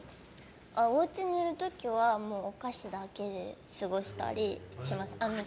おうちにいる時はお菓子だけで過ごしたりします。